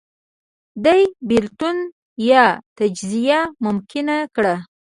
دې بېلتون یا تجزیه ممکنه کړه